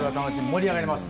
盛り上がります。